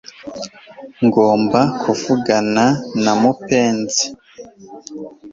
Ngomba kuvugana na mupenzi